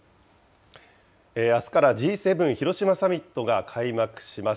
あすからＧ７広島サミットが開幕します。